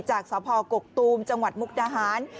จากสพกกตูมจังหวัดมุกดาหาร